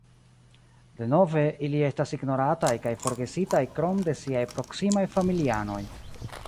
Denove, ili estas ignorataj kaj forgesitaj krom de siaj proksimaj familianoj.